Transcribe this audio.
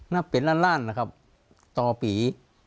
แปลกอัณล่างนะครับด่าปี